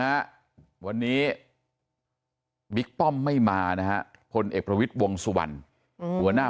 ฮะวันนี้บิ๊กป้อมไม่มานะฮะพลเอกประวิทย์วงสุวรรณหัวหน้า